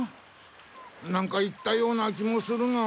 なんか言ったような気もするが。